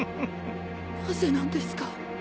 なぜなんですか。